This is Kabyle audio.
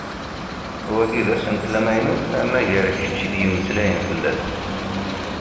Wagi d asentel amaynut anagar kečč i d-yemmeslayen fell-as.